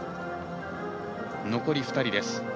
残り２人です。